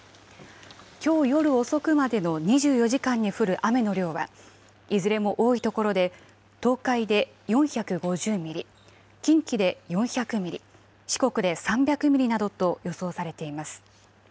きょう夜遅くまでの２４時間に降る雨の量はいずれも多いところで東海で４５０ミリ、近畿で４００ミリ、四国で３００ミリなどと予想されています。